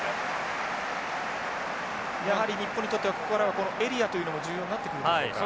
やはり日本にとってはここからはこのエリアというのも重要になってくるでしょうか。